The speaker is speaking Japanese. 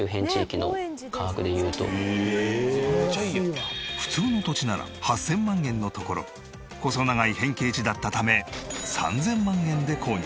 当時普通の土地なら８０００万円のところ細長い変形地だったため３０００万円で購入。